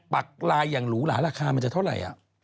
ปักลายอย่างหรูหลาราคามันจะเท่าไหร่